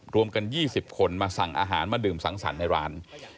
รวมกัน๒๐คนมาสั่งอาหารมาดื่มสังสรรค์ในร้าน